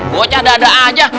buatnya ada ada aja